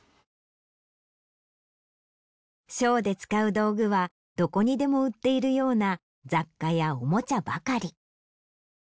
ショーで使う道具はどこにでも売っているような雑貨やおもちゃばかり。